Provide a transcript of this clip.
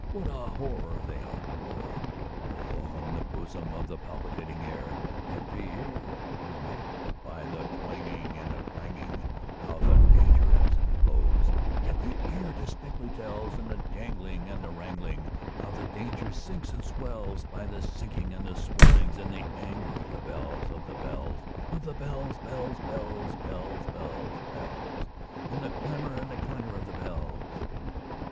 What a horror they outpour On the bosom of the palpitating air! Yet, the ear, it fully knows, By the twanging, And the clanging, How the danger ebbs and flows; Yet the ear distinctly tells, In the jangling, And the wrangling, How the danger sinks and swells, By the sinking or the swelling in the anger of the bells Of the bells Of the bells, bells, bells, bells, Bells, belts, bells In the clamor and the clangor of the bells!